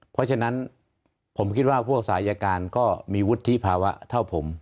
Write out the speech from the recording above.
เพราะฉะนั้นผมคิดว่าพวกสายการก็มีวุฒิภาวะเท่าผม